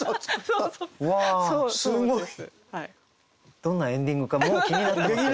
どんなエンディングかもう気になってますけどね。